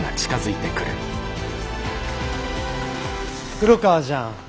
黒川じゃん。